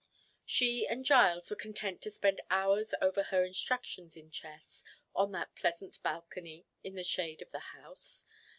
She and Giles were content to spend hours over her instructions in chess on that pleasant balcony in the shade of the house.